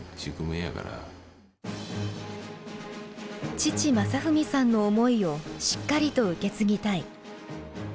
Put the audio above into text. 父雅文さんの思いをしっかりと受け継ぎたい。